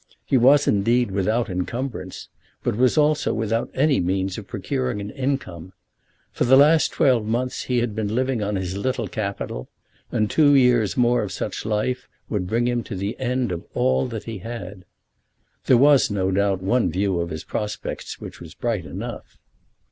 He was, indeed, without incumbrance, but was also without any means of procuring an income. For the last twelve months he had been living on his little capital, and two years more of such life would bring him to the end of all that he had. There was, no doubt, one view of his prospects which was bright enough.